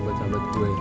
buat sahabat gue